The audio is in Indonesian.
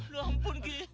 loh ampun ki